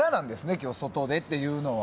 今日、外でっていうのは。